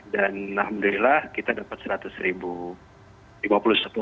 dan alhamdulillah kita dapat seratus ribu